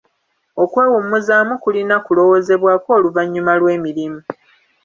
Okwewummuzaamu kulina kulowoozebwako oluvannyuma lw'emirimu.